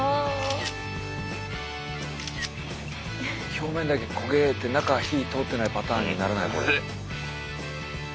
表面だけ焦げて中火通ってないパターンにならない？